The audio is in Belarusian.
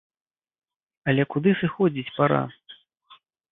Але куды сыходзіць пара?